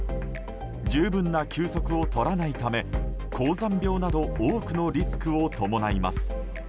十分な休息をとらないため高山病など多くのリスクを伴います。